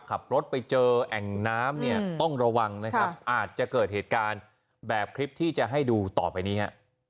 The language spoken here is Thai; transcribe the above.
ขับรถไปเจอแอ่งน้ำเนี่ยต้องระวังนะครับอาจจะเกิดเหตุการณ์แบบคลิปที่จะให้ดูต่อไปนี้ฮะ